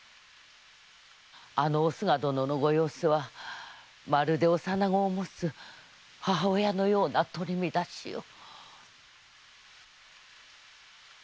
おすが殿のご様子はまるで幼子を持つ母親のような取り乱しよう。